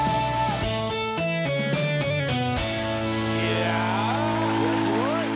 いやすごい！